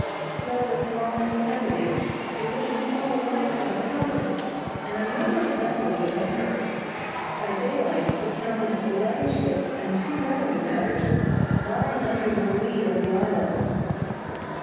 Snow was falling heavily through which we saw the lights of the harbor, and a number of vessels at anchor. By daylight we counted eleven ships and two revenue cutters lying under the lee of the island.